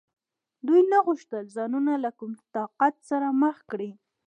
دوی نه غوښتل ځانونه له کوم طاقت سره مخامخ کړي.